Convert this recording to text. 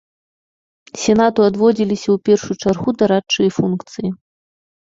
Сенату адводзіліся ў першую чаргу дарадчыя функцыі.